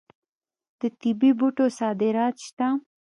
د طبي بوټو صادرات شته.